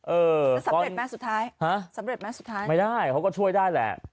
จะสำเร็จไหมสุดท้ายสำเร็จไหมสุดท้ายไม่ได้เขาก็ช่วยได้แหละ